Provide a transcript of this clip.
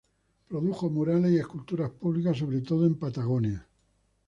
Produjo murales y esculturas públicas sobre todo en Patagonia.